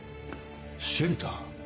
シェルター？